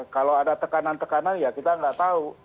kalau ada tekanan tekanan ya kita nggak tahu